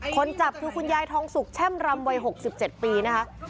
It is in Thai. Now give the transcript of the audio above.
คนจับคือคุณยายทองสุกแช่มรำวัย๖๗ปีนะคะ